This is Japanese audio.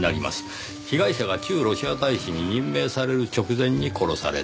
被害者が駐ロシア大使に任命される直前に殺された。